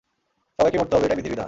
সবাইকেই মরতে হবে এটাই বিধির বিধান।